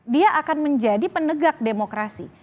dia akan menjadi penegak demokrasi